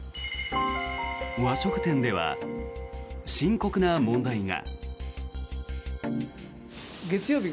和食店では深刻な問題が。